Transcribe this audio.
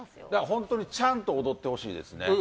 本当にちゃんと踊ってほしいですね。